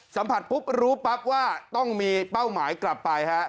สัมผัสปุ๊บรู้ปั๊บว่าต้องมีเป้าหมายกลับไปฮะ